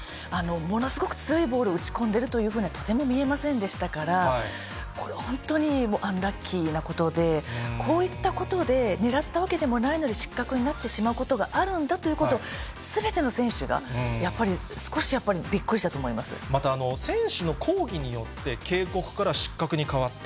ものすごく強いボールを打ち込んでるというふうにはとても見えませんでしたから、これ、本当にアンラッキーなことで、こういったことで、ねらったわけでもないのに失格になってしまうことがあるんだということを、すべての選手が、やっぱり少しやまた、選手の抗議によって、警告から失格に変わった。